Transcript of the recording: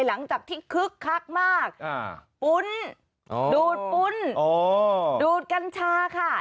หลังจากที่คึกคักมากปุ้นดูดปุ้นดูดกัญชาค่ะ